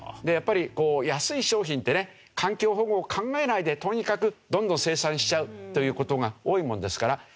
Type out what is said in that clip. やっぱり安い商品ってね環境保護を考えないでとにかくどんどん生産しちゃうという事が多いものですから。